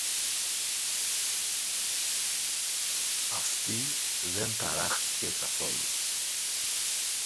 Αυτή δεν ταράχθηκε καθόλου